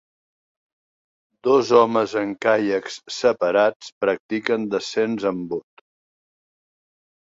Dos homes en caiacs separats practiquen descens en bot.